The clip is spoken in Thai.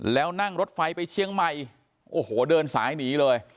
แล้วนั่งรถไฟไปเชียงใหม่โอ้โหเดินสายหนีเลย